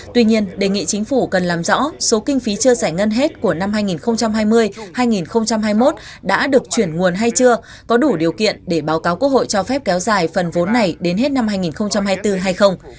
tuy nhiên đề nghị chính phủ cần làm rõ số kinh phí chưa giải ngân hết của năm hai nghìn hai mươi hai nghìn hai mươi một đã được chuyển nguồn hay chưa có đủ điều kiện để báo cáo quốc hội cho phép kéo dài phần vốn này đến hết năm hai nghìn hai mươi bốn hay không